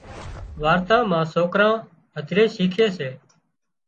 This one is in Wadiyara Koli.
وارتا مان سوڪران هڌري شيکي سي